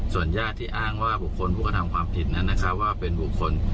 ส่วนญาติที่อ้างว่าบุคคลผู้กระทำความผิดนั้นว่าเป็นบุคคล